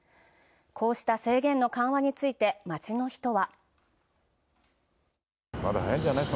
こうした制限の緩和について街の人は。